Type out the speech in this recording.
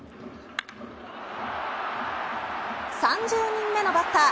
３０人目のバッター